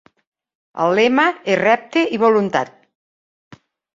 El lema és "Repte i voluntat".